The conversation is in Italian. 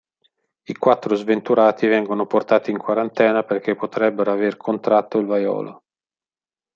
I quattro sventurati vengono portati in quarantena perché potrebbero aver contratto il vaiolo.